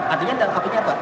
artinya ada apa